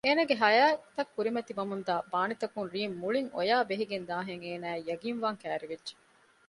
އޭނަގެ ހަޔާތަށް ކުރިމަތި ވަމުންދާ ބާނިތަކުން ރީމް މުޅިން އޮޔާ ބެހިގެން ދާހެން އޭނައަށް ޔަގީންވާން ކައިރިވެއްޖެ